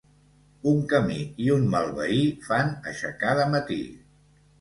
Un camí i un mal veí fan aixecar de matí.